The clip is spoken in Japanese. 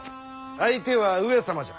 相手は上様じゃ。